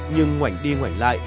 nhưng ngoảnh đi ngoảnh lại